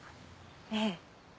ええ。